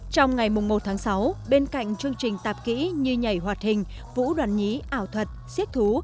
trong ngày một tháng sáu bên cạnh chương trình tạp kỹ như nhảy hoạt hình vũ đoàn nhí ảo thuật siết thú